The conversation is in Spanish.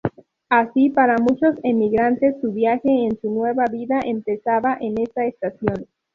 Así, para muchos emigrantes su viaje a su "nueva vida" empezaba en esta estación.